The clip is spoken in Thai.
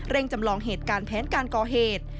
จำลองเหตุการณ์แผนการก่อเหตุ